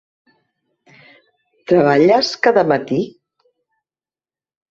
Treballes cada matí?